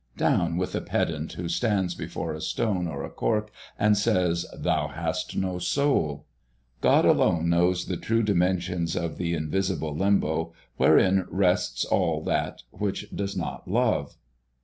Down with the pedant who stands before a stone or a cork and says, "Thou hast no soul." God alone knows the true dimensions of the invisible limbo, wherein rests all that which does not love.